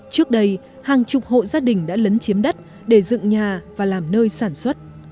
trước đây hàng chục hộ gia đình đã lấn chiếm đất để dựng nhà và làm nơi sản xuất